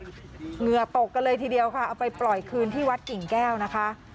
เหงื่อตกกันเลยทีเดียวค่ะเอาไปปล่อยคืนที่วัดกิ่งแก้วนะคะ